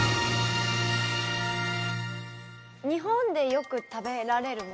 日本でよく食べられるもの？